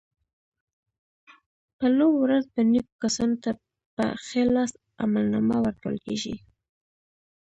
په لو ورځ به نېکو کسانو ته په ښي لاس عملنامه ورکول کېږي.